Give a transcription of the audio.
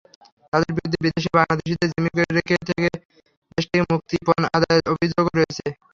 তাঁদের বিরুদ্ধে বিদেশে বাংলাদেশিদের জিম্মি করে দেশ থেকে মুক্তিপণ আদায়ের অভিযোগও রয়েছে।